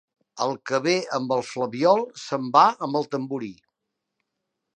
El que ve amb el flabiol, se'n va amb el tamborí.